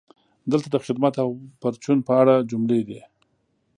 دلته د "خدمت او پرچون" په اړه جملې دي: